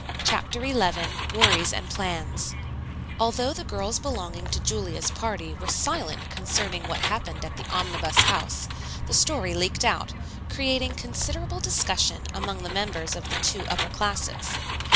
CHAPTER XI WORRIES AND PLANS Although the girls belonging to Julia's party were silent concerning what happened at the Omnibus House, the story leaked out, creating considerable discussion among the members of the two upper classes.